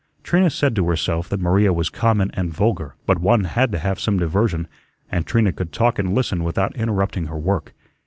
Trina said to herself that Maria was common and vulgar, but one had to have some diversion, and Trina could talk and listen without interrupting her work.